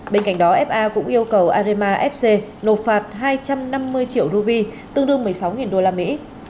bên cạnh đó fa cũng yêu cầu arima fc nộp phạt hai trăm năm mươi triệu rupee tương đương một mươi sáu đô la mỹ